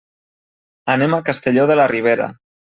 Anem a Castelló de la Ribera.